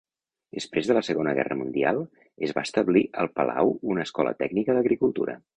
Després de la Segona Guerra Mundial es va establir al palau una escola tècnica d'agricultura.